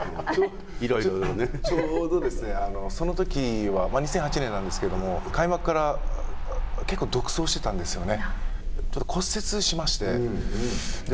ちょうどですね、そのときは２００８年なんですけども開幕から結構独走してたんですよね。